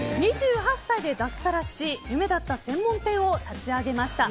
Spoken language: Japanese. ２８歳で脱サラし夢だった専門店を立ち上げました。